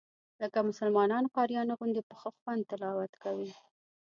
لکه مسلمانانو قاریانو غوندې په ښه خوند تلاوت کوي.